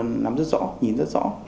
nắm rất rõ nhìn rất rõ